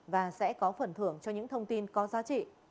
và sẽ có phần thưởng cho những thông tin có giá trị